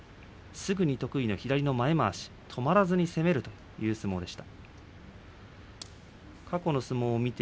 すぐに得意の左の前まわし止まらずに攻めました。